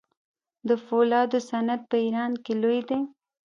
د فولادو صنعت په ایران کې لوی دی.